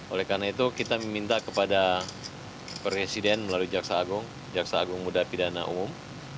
oleh karena itu kita meminta kepada presiden melalui jaksa agung jaksa agung muda pidana umum